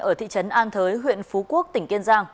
ở thị trấn an thới huyện phú quốc tỉnh kiên giang